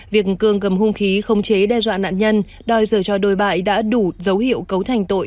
việc cường cầm hung khí không chế đe dọa nạn nhân đòi rời cho đôi bại đã đủ dấu hiệu cấu thành tội